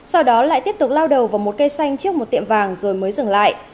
sau đó lại tiếp tục lao đầu vào một cây xanh trước một tiệm vàng rồi mới dừng lại